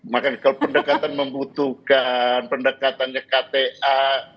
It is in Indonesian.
makanya kalau pendekatan membutuhkan pendekatannya kta